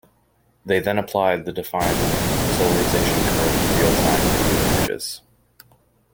They then applied the defined solarisation curve to real time video images.